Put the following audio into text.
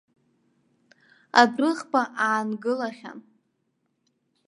Адәыӷба аангылахьан.